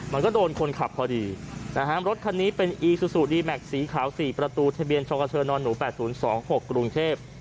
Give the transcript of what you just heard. มันก็โดนคนขับพอดีนะฮะรถคันนี้เป็นอีซูซูดีแม็กซ์สีขาวสี่ประตูทะเบียนช้องกระเทือนอนหนูแปดศูนย์สองหกกรุงเทพ